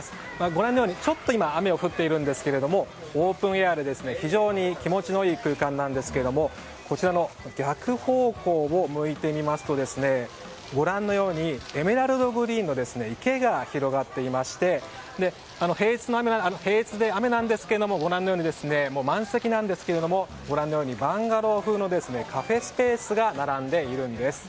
ご覧のようにちょっと今雨が降っているんですけれどもオープンエアで非常に気持ちのいい空間なんですけども逆方向を向いてみますとご覧のようにエメラルドグリーンの池が広がっていまして平日で雨なんですけどご覧のように、満席なんですがバンガロー風のカフェスペースが並んでいるんです。